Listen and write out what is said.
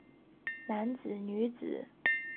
男子女子